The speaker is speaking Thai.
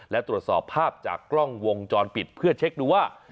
และตรวจสอบภาพจากกล้องวงจรปิดเพื่อเช็คดูว่า